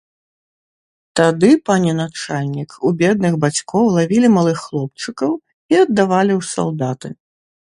Тады, пане начальнік, у бедных бацькоў лавілі малых хлопчыкаў і аддавалі ў салдаты.